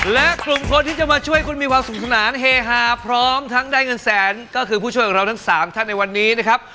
และกลุ่มคนที่จะมาช่วยคุณมีความสุขสนานเฮฮาพร้อมทั้งได้เงินแสนก็คือผู้ช่วยของเราทั้ง๓ท่านในวันนี้นะครับ